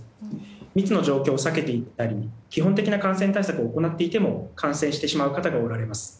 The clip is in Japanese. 密の状況を避けていたり基本的な感染対策を行っていても感染してしまう方がおられます。